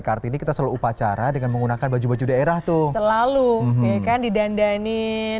kartini kita selalu upacara dengan menggunakan baju baju daerah tuh selalu ya kan didandanin